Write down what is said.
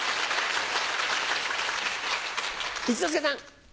一之輔さん。